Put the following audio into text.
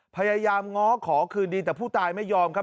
พยายามง้อขอคืนดีแต่ผู้ตายไม่ยอมครับ